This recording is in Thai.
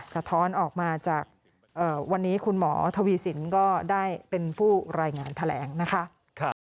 สะท้อนออกมาจากวันนี้คุณหมอทวีสินก็ได้เป็นผู้รายงานแถลงนะคะ